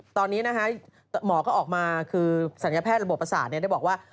ตอนนี้นะคะหมอก็ออกมาคือศัลยแพทย์ระบบประสาทได้บอกว่า